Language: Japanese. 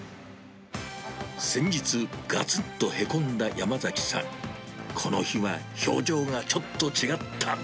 先日、がつっとへこんだ山崎さん、この日は、表情がちょっと違った。